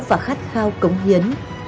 và khát khao cống hiến